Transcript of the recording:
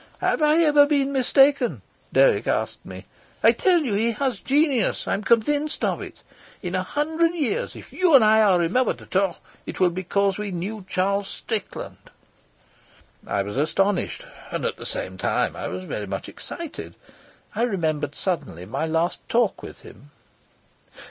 "Have I ever been mistaken?" Dirk asked me. "I tell you he has genius. I'm convinced of it. In a hundred years, if you and I are remembered at all, it will be because we knew Charles Strickland." I was astonished, and at the same time I was very much excited. I remembered suddenly my last talk with him.